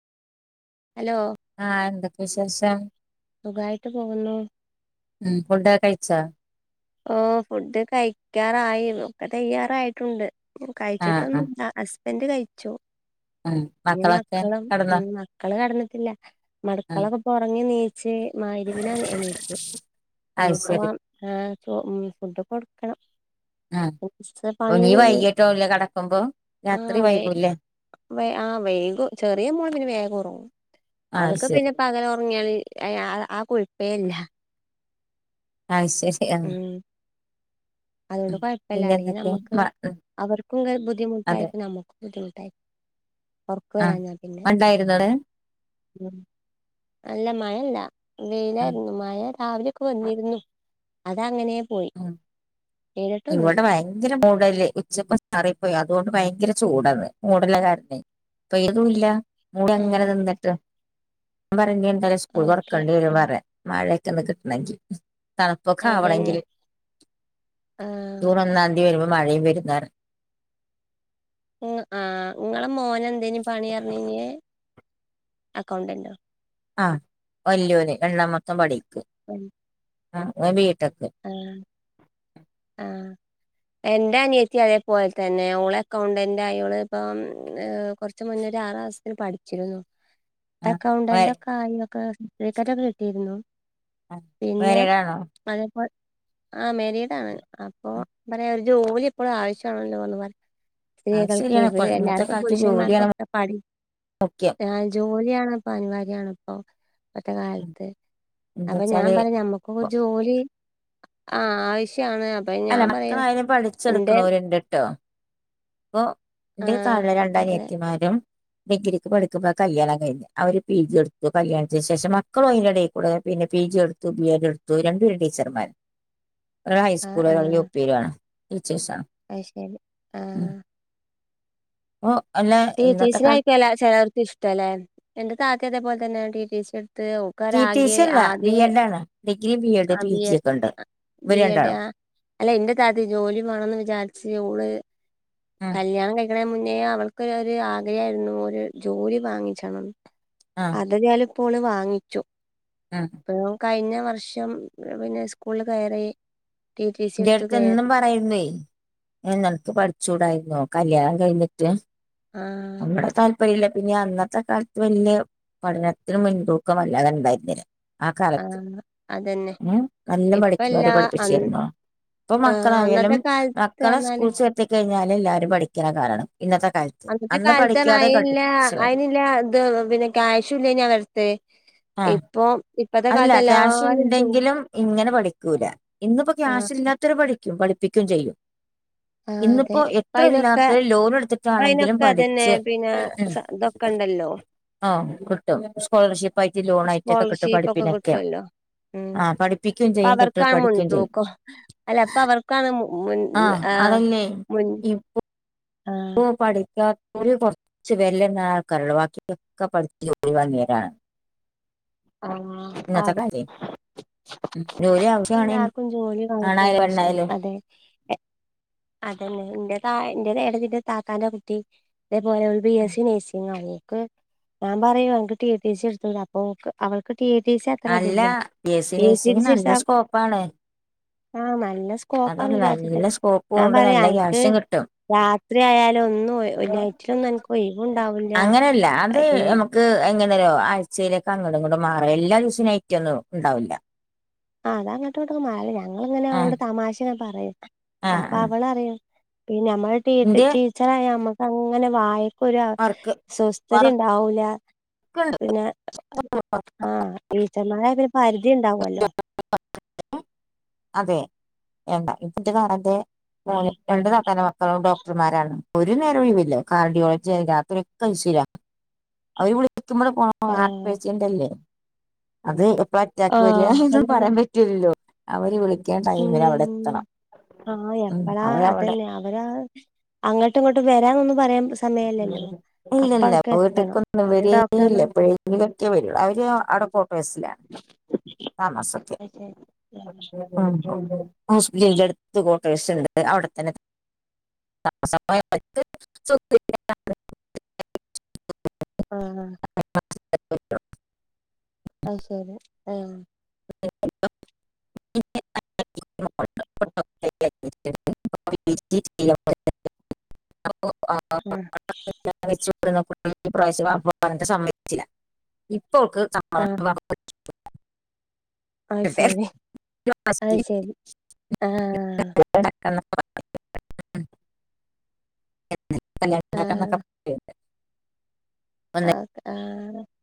Hello ആഹ് [unintelligible] [unintelligible] സുഖായിട്ട് പോകുന്നു ഉം ഫുഡോക്കെ കയ്ച്ചാ ഓ ഫുഡ് കഴിക്കാറായി ഒക്കെ തയ്യാറായിട്ടുണ്ട് ആഹ് ആഹ് കഴിച്ചിട്ടൊന്നുല്ല [unintelligible] ബെന്റ് കഴിചോ ആഹ് ഇഞ് മക്കളൊക്കെ മക്കളും കടന്നോ ഉം മക്കള് കട്ന്ന് [unintelligible] ആഹ് മട്ക്കളൊക്കെ ഒറങ്ങി നീ ചെ മഹ് രിബിനാ എണീറ്റെ അത് ഇനിയിപ്പോ ശരി ആഹ് ഉം ഫുഡ് കൊട്ക്കണം ആഹ് ഓ പണി നീ വൈകിട്ടാവുല്ലേ കടക്കുമ്പോ രാത്രി ആഹ് വേ വൈകൂല്ലേ വേ ആ വേഗം ചെറിയ മോൻ പിന്നെ വേഗം ഒറങ്ങും അത് അവൾക് ശരി പിന്നെ പകല് ഒറങ്ങിയാല് യാ യാ ആഹ് കുയ്പേയില്ല അത് ശരി ആഹ് ഉം അതു കൊണ്ട് ഉം കൊയ്പ്പല്ല അല്ലെങ്കി പിന്നെന്തൊക്കെ നമ്മക്ക് മ ഉം അവർക്കും അതെ ബുദ്ധിമുട്ടായിരിക്കും നമ്മക്കും [unintelligible] ഒർക്ക് ആഹ് വേരാഞ ഞാൻ പിന്നെ മഴണ്ടായിരുന്നോ അവിടെ അല്ല മഴല്ല ഉം വെയിലായിരുന്നു മഴ രാവിലെയൊക്കെ വന്നിരുന്നു അത അങ്ങനെ ഉം ഇവിടെ ഭയങ്കര ടല് ഉച്ചക്ക് ചാറിപ്പോയി അതുകൊണ്ട് ഭയങ്കര ചൂടാണ് മൂടല കാരണെ അപ്പൊ പെയ്യ്തും ഇല്ല മൂടി അങ്ങനെ ആഹ് നിന്നിട്ട് [unintelligible] സ്കൂൾ ഓക്കെ തൊറകണ്ടി വരി പറയ മഴ പെട്ടന്ന് കിട്ട്ണേങ്കി തണുപ്പൊക്കെ അതന്നെ ആവണെങ്കില് ആഹ് ജൂൺ ഒന്നാം തീയതി വരുമ്പോ മഴയും വരുന്നാണ് ആഹ് നിങ്ങളെ മോന് എന്തേനി പണി അറിഞ്ഞിനെ അക്കൗണ്ടന്റ് ആ വല്ല്യോന് രണ്ടാമത്തൊൻ പഠിക്ക് ആ അവ ബി ടെക്ക് ആ ആ എന്റെ അനിയത്തി അതേപോലെ തന്നെ ഓൾ അക്കൗണ്ടന്റെ ആൾ ഇപ്പ കൊറച് മുന്നെ ഒരു ആറാസത്തിൻ മുൻപ് പഠിച്ചിരുന്നു ആഹ് മാ അക്കൗണ്ടന്റ് ഒക്കെ ആയോ? ആ സ്ർട്ടിഫിക്കറ്റ് ഒക്ക കിട്ടിയിരുന്നു ആ മേരെടാണോ? ആ മേരീഡ ആണ് അപ്പൊ പറയാ ഒര് ജോലി എപ്പളു ആവശ്യാണെല്ലോന്ന് പറിയിം. അത് സ്ത്രീകൾക്ക് ശരിയാണ് ഇവ് ഇപ്പൊ ഇന്നത്തെ എല്ലാർക്കും കാലത്ത് ജോലിയാണ് പുരുഷന്മാർക്കൊക്കെ പണി മുഖ്യം ആ ജോലിയാണ് പ്പൊ അനിവാര്യണ് ഇപ്പൊ ഇന്നത്തെ കാലത്ത് അപ്പൊ ഞാൻ എന്താച്ചാല് പറഞ്ഞു നമ്മക്കൊക്കെ ജോലി ആഹ് ആവിശ്യ അല്ല മക്കൾ ആയാലും എന്റെ പഠിച്ചെടുക്കണോരുണ്ടിണ്ടിട്ടാ പോ എന്റെ ആഹ് താഴെള്ള രണ്ട് അതെ അനിയത്തിമാരും ഡിഗ്രിക്ക് പഠികുമ്പോ കല്യാണം കഴിഞ്ഞത് അവര് പി ജി എടുത്തു കല്യാണത്തിന് ശേഷം മക്കളുണ്ട് ഈ കൂടെ അതിന്റെ ഇടയിൽക്കൂ പിന്നെ പി ജി എടുത്തു ബി എഡ് എടുത്തു രണ്ടുപേരും ടീച്ചർമാര് ഒരാൾ ഹൈസ്കൂ കുറെകഴിഞ്ഞു [unintelligible] ഒപ്പുകാണ് അഹ് ശരി ആഹ് ഒ ടീച്ചേസിനെ ആയിക്കല്ല ചിലവർക്ക് ഇഷ്ട അല്ലെ എന്റെ താത്തയിതെ പോലെ തന്നേ തന്നെ ടി ടി സി ത് ഓക്ക് ടി ടി സി ഒരാകെ അല്ല ബി ആദ്യ എഡ് ആണ് degree B Ed P G ഒക്കെ ഉണ്ട് ഇവര് ബി എഡ്‌ രണ്ടാളും ആ അല്ല എന്റെ താത്ത ജോലി വേണംന്ന് വിചാരിച്ച് ഓള് ഉം കല്യാണം കഴി കുറെ മുന്നേ അവൾക്ക് ഒരു ആഗ്രഹ ആരുന്നു ഒരു ജോലി വാങ്ങിച്ചണംന്ന് ഉം അതേതാലും ഫോണ് വാങ്ങിച്ചു ഉം പെങ്ങും കഴിഞ്ഞ വർഷം പിന്നെ സ്കൂളിൽ വേറെ [inaudible] ന്റെ അടുത്ത് എന്നും പറയുന്ന ന്റെടത്ത് പഠി ചൂടായിരുന്നോകല്യാണം കഴിഞ്ഞിട്ട് ആഹ് ല്ല പിന്നെ അന്നത്തെ കാലത്ത് വല്യ പഠനത്തിന് മുൻതൂക്കം വല്ലാതെ ഉണ്ടായിരുനില്ല ആ കാലത്ത് ആഹ് അതന്നെ മംനല്ല ഇപ്പല്ല പഠിക്കണവരെ അന്ന് പഠിപ്പിച്ചരുന്നോ ഇപ്പൊ ആ, അന്നത്തെ മക്കളായാലും കാലത്ത് മക്കളെ പറഞ്ഞാല് സ്കൂള് ചേർത്തി കഴിഞ്ഞാല് എല്ലാരും പഠിക്കുന്ന കാലാണ് ഇന്നത്തെ കാലത്ത് അന്നത്തെ അന്ന് കാലത്ത് പഠിക്കാതെ അയിനില്ല കെട്ടിച്ചവര് അയിനില്ല ഇത് പിന്നെ ക്യാഷും ഇല്ലനി ഞാങ്ങളുടെത് ഇപ്പൊ ഇപ്പത്തെ അതല്ല കാലത്ത് ക്യാഷ് എല്ലാരും ജോ ഇണ്ടെങ്കിലും ഇങ്ങനെ പഠിക്കൂല ഇന്നിപ്പോ ആ ക്യാഷ് ഇല്ലാത്തവരു പഠിക്ക പഠിപ്പിക്കും ചെയ്യും ആഹ് അതെ ഇന്നിപ്പോ എത്ര അയിനൊക്കെ ഇല്ലാത്തോൽലോൺഎടുത്തി [unintelligible] ആണെങ്കിലും അയിനൊക്കെ അതന്നെ പഠിച്ച് പിന്നെ സ ഇതൊക്കെ ഉ ഉണ്ടല്ലോ ആ കിട്ടും സ്കോളർഷിപ്പ് ആയിട്ട് ലോൺ ആയിട്ടൊക്കെ കിട്ടു പക്കെ കിട്ടുവല്ലോ ഉ പഠിപ്പിക്കുകയും അപ്പൊ ചെയ്യും അവർക്കാ കുട്ടികൾ പഠിക്കുകയും ചെയ്യും മുൻതൂക്കം അല്ല പ്പ അവർക്കാണ് ആ മുൻ ആഹ് ഓ പഠിക്കാ ഓല് കൊർച്ച് വെരലെണ്ണാ ആൾക്കാരൊള്ളു വാക്കിയൊക്കെ പഠിച്ച് ജോലിവാങ്ങിയവരാണ്. ആഹ് ഇന്നത്തെ അവർക്ക് കാലത്ത് ജോലി ആവ എല്ലാർക്കും ജോലി വാങ്ങല് ആവശ്യാ ണ് അതെ എ അതെന്നെ എന്റെ തായെ എന്റെര് ഏട്ടത്തിന്റെ താത്താന്റെ ആ കുട്ടി അതേപോലെ ഓല് ബി എസ് സി നഴ്സിംഗ് ആയേ ക്ക് ഞാൻ പറയുംഅൻക്ക് ടി ടി സി എടുത്തൂടെ അപ്പൊ ഓക്ക് അവൾക്ക് ടി ടി സി അത്ര അല്ല ഇതില്ല [unintelligible] പ്പാണ് ആ മ നല്ല സ്കോപ്പാ വിചാരിച്ചട്ട നല്ല സ്കോപ്പും ഞാൻ ഉണ്ട് പറയാ നല്ല അനക്ക് ക്യാഷും കിട്ടും രാത്രി ആയാല ഒന്നു നൈറ്റിലൊന്നും അൻക്ക് ഒയുവുഉണ്ടാവില്ല പിന്നെ ങ്ങേര ആഴ്ചയിലേക്കെ അങ്ങോട്ട് ഇങ്ങോട്ടും മാറ എല്ലാ ദിവസും നൈറ്റൊന്നും ഉണ്ടാവില്ല ആ അതാങ്ങട്ടോട്ട മാറി ഞങ്ങിളങ്ങനെ ആഹ് അവളോട് തമാശ ക്ക് ങ്ങ പറയും ആഹ് അപ്പൊ ആഹ് അവളറിയും പിന്ന നമ്മള് ടീ ഇന്റെ ടീച്ചറായ നമ്മ അങ്ങനെ വായി ഒരു വർക്ക് സ്വസ്ഥത ഉണ്ടാവൂല വർക്കുണ്ട് പിന്നെ ആ ടീച്ചർമാരായ പിന്നെ പരിധി ഉണ്ടാവല്ലോ അതെ വേണ്ടാ ഇപ്പത്തെ കാലത്തെ ഉം ഓന് രണ്ട് താത്തന്റെ മ ഡോക്ടർമാരാണ് ഒരു നേരം ഒഴിവില്ല കാർഡിയോളജി ആ രാത്രിക്കെ ഐ സില അവര് [unintelligible] ടെ പോണം ആ ഹാർട്ട് പേശ്യന്റ്ല്ലേ അതെ ആ പറ്റാക്ക് വരിയാ ഇതന്നും അതന്നെ പറയാൻ പറ്റൂലല്ലോ അവര് വിളി ഉം ആ ഉം എപ്പഴാ അവരവിടെ അതന്നെ അവരാ അങ്ങോട്ടും ഇങ്ങോട്ടും വരനൊന്നും പറയാം ഇല്ലല്ല എത്തണം വീട്ടക്കൊന്നും അങ്ങനെ വരേല്ല ഡോക്ടർമാർ എപ്പോഴെങ്കിലൊക്കെ വരുള്ളൂ അവര് അടക്കോട്ടസിലാണ് താമസൊക്കെ അത് ഹോസ്പിറ്റലിന്റെ അടുത്ത് ക്വാട്ടേഴ്സ് ഉണ്ട് അവിടെത്തന്നെ [unintelligible] ആ [unintelligible] ആ ശരി ആ [unintelligible] ഉം [unintelligible] പ്രാവശ്യ സമ്മതിച്ചില്ല ഇപ്പോൾക്ക് അത് ശരി ആഹ് ആഹ് ആഹ് [unintelligible] അത് ശരി കല്യാണം അത് ശരി ആ [unintelligible] [unintelligible] ഒന്നര ആതെ ആ